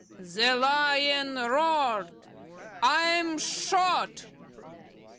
The Lion roared, "I am shot."